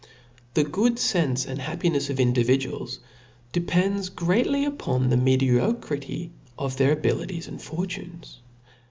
The good fenfe and happinefs of individuals depend greatly or the mediocrity of their abili ties and fbrtunes.